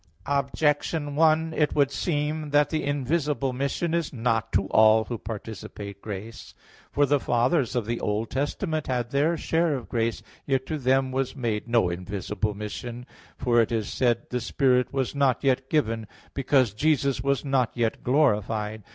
Objection 1: It would seem that the invisible mission is not to all who participate grace. For the Fathers of the Old Testament had their share of grace. Yet to them was made no invisible mission; for it is said (John 7:39): "The Spirit was not yet given, because Jesus was not yet glorified."